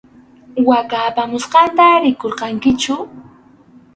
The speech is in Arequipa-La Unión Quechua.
Waka apamusqanta rikurqankichu.